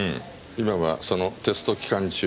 今はそのテスト期間中。